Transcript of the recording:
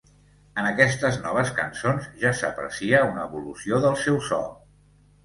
En aquestes noves cançons ja s'aprecia una evolució del seu so.